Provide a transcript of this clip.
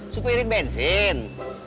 supaya irit bensin